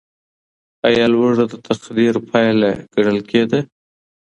ايا لوږه د تقدير پايله ګڼل کيده؟